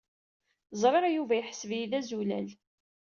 Ẓriɣ Yuba yeḥseb-iyi d azulal.